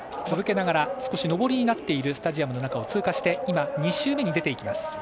続けながら少し上りになっているスタジアムの中を通過して今、２周目に出て行きます。